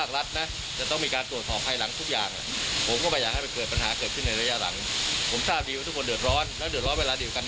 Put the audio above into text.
แต่ทั้งนี้ก็ต้องทยอยและเริ่มการยืนยัน๓เดือนโอเคไหม